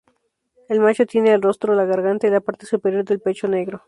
El macho tiene el rostro, la garganta y la parte superior del pecho negro.